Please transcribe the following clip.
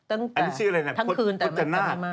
อันนี้ชื่ออะไรนะจนาฏ